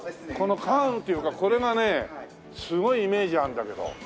この缶っていうかこれがねすごいイメージあるんだけど。